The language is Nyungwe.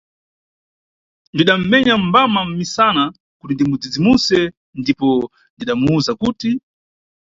Ndidamʼmenya mbama mʼmisana, kuti ndimudzidzimuse ndipo ndidamuwza kuti.